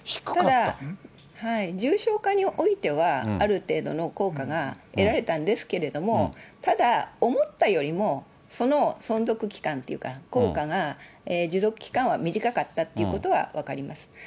ただ、重症化においてはある程度の効果が得られたんですけれども、ただ、思ったよりもその存続期間というか、効果が、持続期間は短かったってことは分かります。